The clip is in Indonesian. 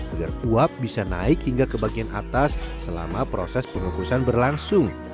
agar uap bisa naik hingga ke bagian atas selama proses pengukusan berlangsung